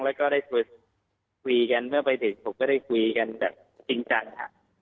แล้วก็ได้คุยกันเมื่อไปเด็กผมก็ได้คุยกันแบบจริงจังค่ะ